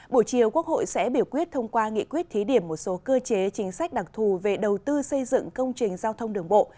buổi chiều quốc hội sẽ biểu quyết thông qua nghị quyết thí điểm một số cơ chế chính sách đặc thù về đầu tư xây dựng công trình giao thông đường bộ